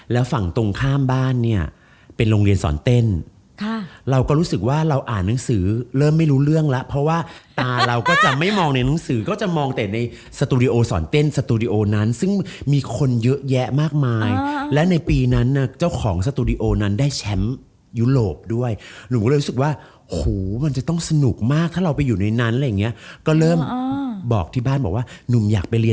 แล้วฝั่งตรงข้ามบ้านเนี่ยเป็นโรงเรียนสอนเต้นเราก็รู้สึกว่าเราอ่านหนังสือเริ่มไม่รู้เรื่องแล้วเพราะว่าตาเราก็จะไม่มองในหนังสือก็จะมองแต่ในสตูดิโอสอนเต้นสตูดิโอนั้นซึ่งมีคนเยอะแยะมากมายและในปีนั้นน่ะเจ้าของสตูดิโอนั้นได้แชมป์ยุโรปด้วยหนุ่มก็เลยรู้สึกว่าหูมันจะต้องสนุกมากถ้าเราไปอย